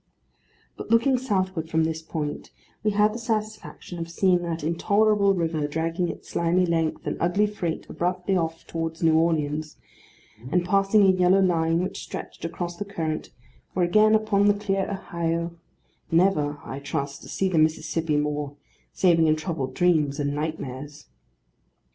But looking southward from this point, we had the satisfaction of seeing that intolerable river dragging its slimy length and ugly freight abruptly off towards New Orleans; and passing a yellow line which stretched across the current, were again upon the clear Ohio, never, I trust, to see the Mississippi more, saving in troubled dreams and nightmares.